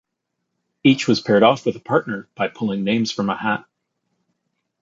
Each was paired off with a partner by pulling names from a hat.